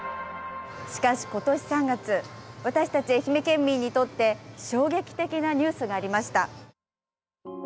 しかし今年３月私たち愛媛県民にとって衝撃的なニュースがありました。